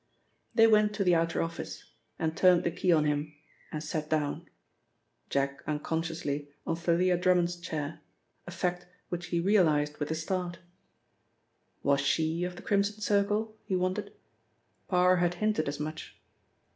They went to the outer office, and turned the key on him, and sat down Jack unconsciously on Thalia Drummond's chair, a fact which he realised with a start. Was she of the Crimson Circle, he wondered? Parr had hinted as much.